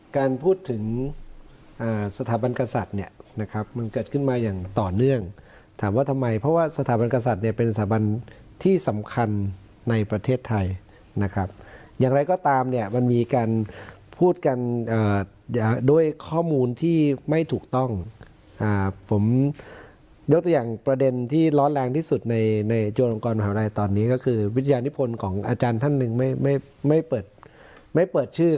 การพูดถึงสถาบันกษัตริย์เนี่ยนะครับมันเกิดขึ้นมาอย่างต่อเนื่องถามว่าทำไมเพราะว่าสถาบันกษัตริย์เนี่ยเป็นสถาบันที่สำคัญในประเทศไทยนะครับอย่างไรก็ตามเนี่ยมันมีการพูดกันด้วยข้อมูลที่ไม่ถูกต้องผมยกตัวอย่างประเด็นที่ร้อนแรงที่สุดในในจุฬลงกรมหาวิทยาลัยตอนนี้ก็คือวิทยานิพลของอาจารย์ท่านหนึ่งไม่ไม่เปิดไม่เปิดชื่อ